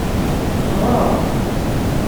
Ffɣeɣ.